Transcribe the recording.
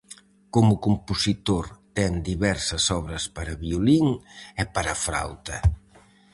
Como compositor ten diversas obras para violín e para frauta.